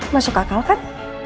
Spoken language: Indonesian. masuk akal kan